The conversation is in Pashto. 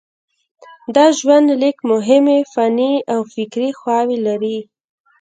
دا ژوندلیک مهمې فني او فکري خواوې لري.